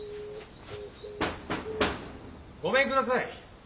・ごめんください。